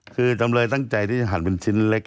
คือจำเลยตั้งใจที่จะหั่นเป็นชิ้นเล็ก